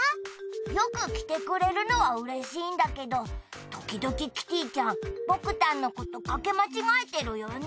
よく着てくれるのはうれしいんだけどときどきキティちゃん僕たんのことかけまちがえてるよね。